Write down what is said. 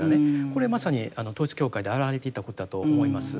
これまさに統一教会であらわれていたことだと思います。